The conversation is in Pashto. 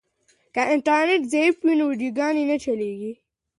که انټرنیټ ضعیف وي نو ویډیوګانې نه چلیږي.